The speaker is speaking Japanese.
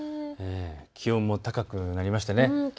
気温も高くなりましたね。